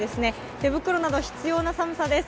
手袋など必要な寒さです。